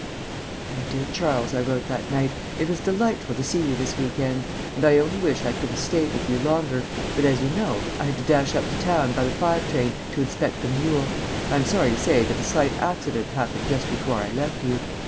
..... "My dear Charles," I wrote that night, "it was delightful to see you this week end, and I only wish I could have stayed with you longer, but, as you know, I had to dash up to town by the five train to inspect a mule. I am sorry to say that a slight accident happened just before I left you.